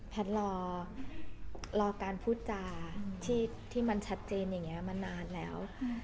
พัดรอการพูดจาระที่มันชัดเจนมานานแล้ว